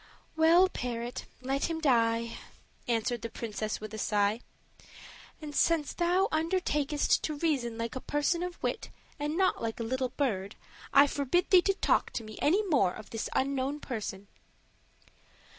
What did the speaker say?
"Well, parrot, let him die," answered the princess with a sigh; "and since thou undertakest to reason like a person of wit, and not a little bird, I forbid thee to talk to me any more of this unknown person."